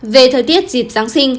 về thời tiết dịp giáng sinh